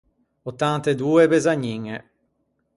Ottant’e doe besagniñe.